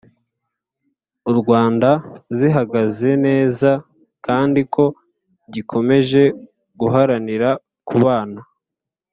u Rwanda zihagaze neza kandi ko gikomeje guharanira kubana